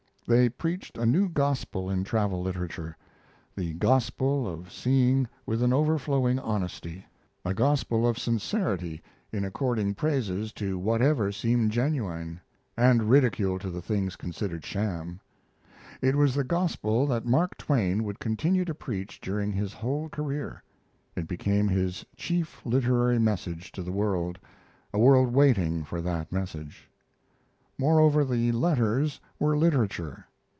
They preached a new gospel in travel literature: the gospel of seeing with an overflowing honesty; a gospel of sincerity in according praises to whatever seemed genuine, and ridicule to the things considered sham. It was the gospel that Mark Twain would continue to preach during his whole career. It became his chief literary message to the world a world waiting for that message. Moreover, the letters were literature.